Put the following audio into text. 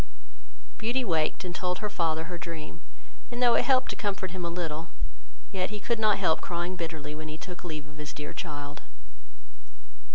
Beauty waked, and told her father her dream, and though it helped to comfort him a little, yet he could not help crying bitterly, when he took leave of his dear child.